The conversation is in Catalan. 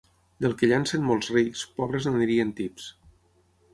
Del que llencen molts rics, pobres n'anirien tips.